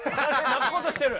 泣こうとしてる！